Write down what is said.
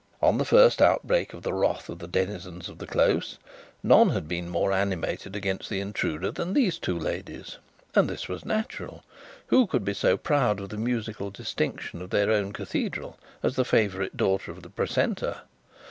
On the first outbreak of the wrath of the denizens of the close, none had been more animated against the intruder than those two ladies. And this was natural. Who could be so proud of the musical distinction of their own cathedral as the favourite daughter of the precentor?